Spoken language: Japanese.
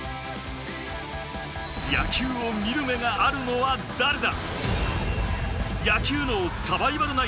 野球を見る目があるのは誰だ？